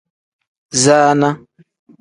Zaana.